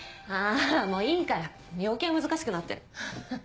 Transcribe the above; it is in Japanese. あもういいから余計難しくなってる。